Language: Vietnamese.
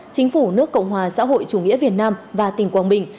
chính phủ nước cộng hòa xã hội chủ nghĩa việt nam và tỉnh quảng bình